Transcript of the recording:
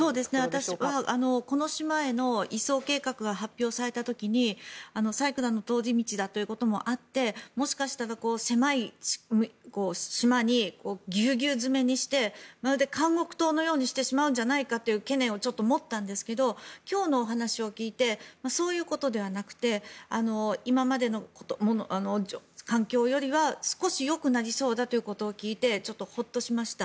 私はこの島への移送計画が発表された時に、サイクロンの通り道だということもあってもしかしたら狭い島にぎゅうぎゅう詰めにしてまるで監獄島のようにしてしまうんじゃないかという懸念をちょっと思ったんですが今日のお話を聞いてそういうことではなくて今までの環境よりは少し良くなりそうだということを聞いてちょっとほっとしました。